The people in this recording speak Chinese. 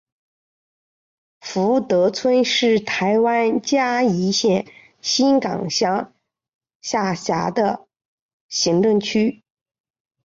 福德村是台湾嘉义县新港乡辖下的行政区。